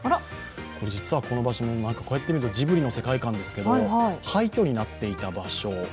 これ実は、こうやって見るとジブリの世界観ですけど、廃虚になっていた場所。